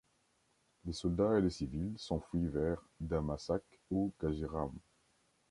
Les soldats et les civils s'enfuient vers Damasak ou Gajiram.